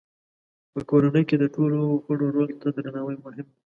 په کورنۍ کې د ټولو غړو رول ته درناوی مهم دی.